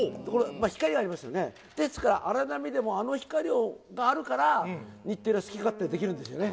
光ありますよね、ですから、荒波でもあの光があるから、日テレは好き勝手できるんですよね。